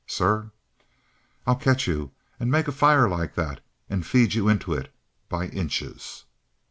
"Sir?" "I'll catch you and make a fire like that and feed you into it by inches!"